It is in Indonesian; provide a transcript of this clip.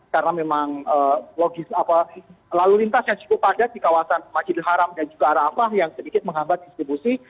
karena memang lalu lintas yang cukup padat di kawasan majidil haram dan juga arafah yang sedikit menghambat distribusi